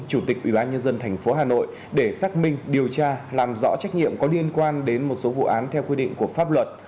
chủ tịch ubnd tp hà nội để xác minh điều tra làm rõ trách nhiệm có liên quan đến một số vụ án theo quy định của pháp luật